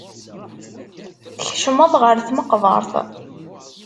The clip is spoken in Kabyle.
Tkeccmeḍ ɣer tmeqbert.